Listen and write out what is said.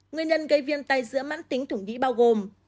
nguyên nhân gây viên tay giữa mãn tính thủng nghĩ bao gồm